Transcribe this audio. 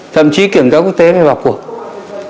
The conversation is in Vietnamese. thậm chí kiểm tra quốc tế phải vào cuộc